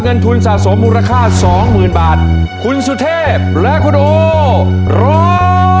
เงินทุนสะสมมูลค่าสองหมื่นบาทคุณสุเทพและคุณโอร้อง